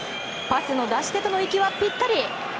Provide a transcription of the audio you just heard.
パスの出し手との息はぴったり。